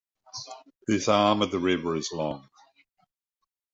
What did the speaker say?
This arm of the river is long.